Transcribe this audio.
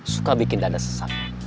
suka bikin dada sesak